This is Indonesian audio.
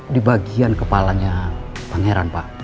di bagian kepalanya pangeran pak